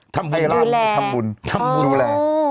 ทำบุญดูแล